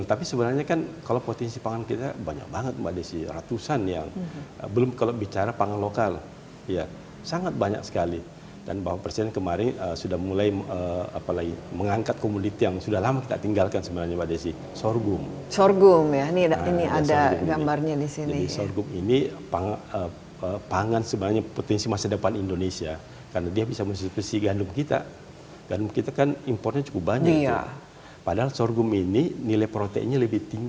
tapi saat ini tahap pengembangan sorghum ini seperti apa pak fajri